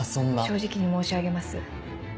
正直に申し上げます。